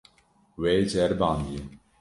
Wê ceribandiye.